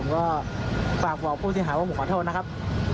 ก็ฝากบอกผู้เสียหายว่าผมขอโทษนะครับ